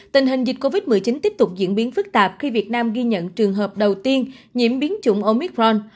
tình hình dịch covid một mươi chín tiếp tục diễn biến phức tạp khi việt nam ghi nhận trường hợp đầu tiên nhiễm biến chủng omicron